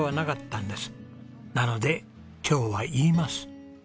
なので今日は言います。